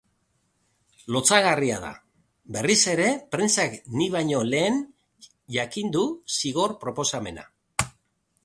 Lotsagarria da, berriz ere prentsak nik baino lehen jakin du zigor-proposamena.